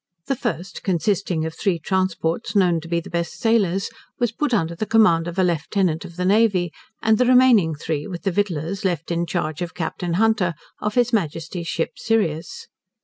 The first consisting of three transports, known to be the best sailors, was put under the command of a Lieutenant of the navy; and the remaining three, with the victuallers, left in charge of Captain Hunter, of his Majesty's ship Sirius.